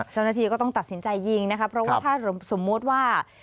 เจ้าหน้าที่ก็ต้องตัดสินใจยิงนะคะเพราะว่าถ้าสมมุติว่า